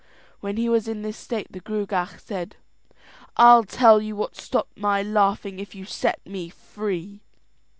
When he was in this state the Gruagach said: "I'll tell you what stopped my laughing if you set me free."